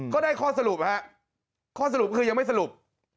ก็ได้ข้อสรุปฮะข้อสรุปคือยังไม่สรุป